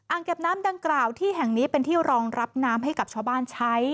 เก็บน้ำดังกล่าวที่แห่งนี้เป็นที่รองรับน้ำให้กับชาวบ้านใช้